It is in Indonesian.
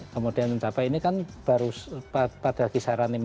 kemudian mencapai ini kan baru pada kisaran lima puluh